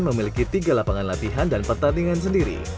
memiliki tiga lapangan latihan dan pertandingan sendiri